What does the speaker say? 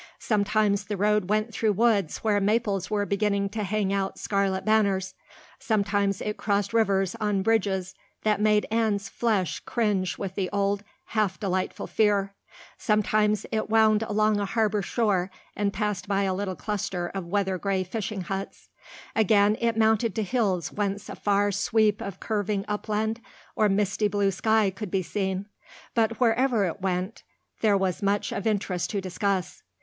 Sometimes the road went through woods where maples were beginning to hang out scarlet banners; sometimes it crossed rivers on bridges that made Anne's flesh cringe with the old, half delightful fear; sometimes it wound along a harbor shore and passed by a little cluster of weather gray fishing huts; again it mounted to hills whence a far sweep of curving upland or misty blue sky could be seen; but wherever it went there was much of interest to discuss.